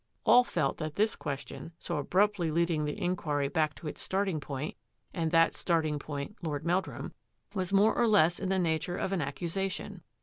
All felt that this question, so abruptly leading the inquiry back to its starting point, and that starting point Lord Meldrum, was more or less in the nature of an accusation.